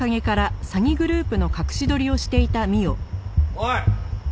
おい！